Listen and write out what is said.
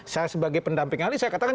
saya sebagai pendamping ahli saya katakan